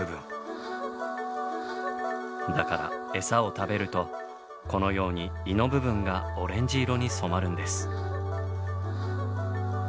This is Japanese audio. だからエサを食べるとこのように胃の部分がオレンジ色に染まるんです。